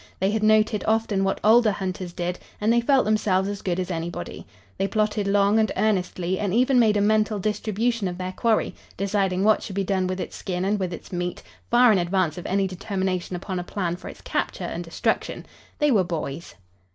They had noted often what older hunters did, and they felt themselves as good as anybody. They plotted long and earnestly and even made a mental distribution of their quarry, deciding what should be done with its skin and with its meat, far in advance of any determination upon a plan for its capture and destruction. They were boys.